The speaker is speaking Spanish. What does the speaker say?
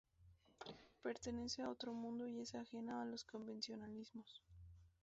Pertenece a otro mundo y es ajena a los convencionalismos.